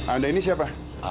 anda ini siapa